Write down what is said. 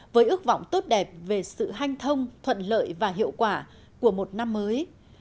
với ước vọng tốt đẹp về sự hanh thông thuận lợi và hiệu quả của một năm mới